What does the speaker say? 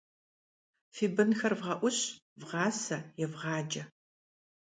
Фи бынхэр вгъэӀущ, вгъасэ, евгъаджэ.